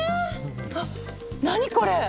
⁉あっ何これ⁉わっ！